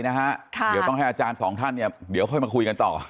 เดี๋ยวก็ต้องให้อาจารย์สองท่านมาคุยกันต่อ